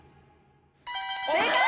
正解！